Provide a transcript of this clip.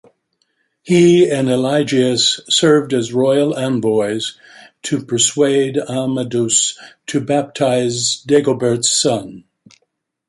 He and Eligius served as royal envoys to persuade Amadus to baptize Dagobert's son.